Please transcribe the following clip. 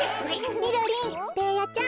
みろりんベーヤちゃん。